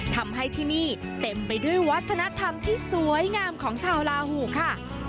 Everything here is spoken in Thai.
ทำให้ที่นี่เต็มไปด้วยวัฒนธรรมที่สวยงามของชาวลาหูค่ะ